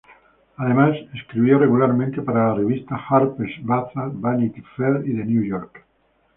Además, escribió regularmente para las revistas "Harper's Bazaar", "Vanity Fair" y "The New Yorker".